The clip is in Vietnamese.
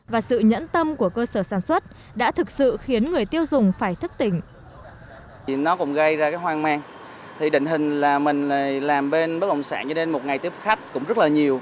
và sự nhẫn tâm của cơ sở sản xuất đã thực sự khiến người tiêu dùng phải thức tỉnh